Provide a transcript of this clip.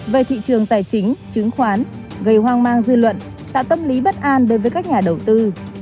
về thị trường tài chính chứng khoán gây hoang mang dư luận tạo tâm lý bất an đối với các nhà đầu tư